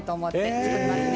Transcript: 作りますね。